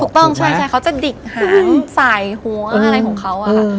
ถูกต้องใช่เขาจะดิกหางสายหัวอะไรของเขาอะค่ะ